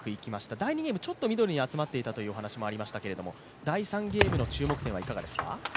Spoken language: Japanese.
第２ゲーム、ちょっとミドルに集まっていたというお話がありましたけれども、第３ゲームの注目点はいかがですか？